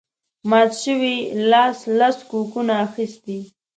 مات شوي لاس لس کوکونه اخیستي